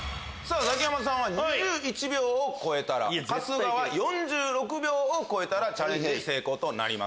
ザキヤマさんは２１秒を超えたら春日は４６秒を超えたらチャレンジ成功となります。